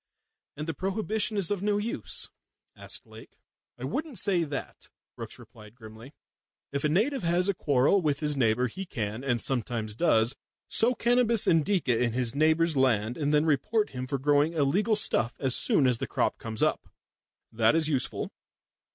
"And the prohibition is of no use?" asked Lake. "I wouldn't say that," Brookes replied grimly. "If a native has a quarrel with his neighbour, he can and sometimes does sow cannabis Indica on his neighbour's land and then report him for growing illegal stuff as soon as the crop comes up. That is useful.